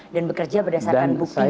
dan bekerja berdasarkan bukti dan fakta ya